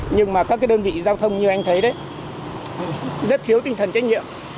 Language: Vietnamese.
nhưng mà các đơn vị giao thông như anh thấy đấy rất thiếu tinh thần trách nhiệm